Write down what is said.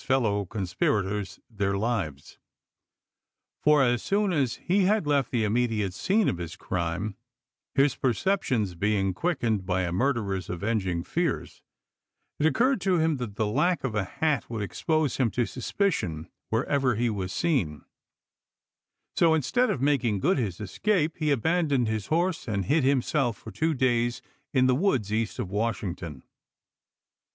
fellow conspirators their lives ; for as soon as he Api.H,i865. had left the immediate scene of his crime, his per ceptions being quickened by a murderer's aveng ing fears, it occurred to him that the lack of a hat would expose him to suspicion wherever he was seen; so, instead of making good his escape, he abandoned his horse and hid himself for two days in the woods east of Washington.